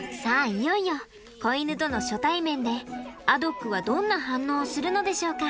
いよいよ子犬との初対面でアドックはどんな反応をするのでしょうか？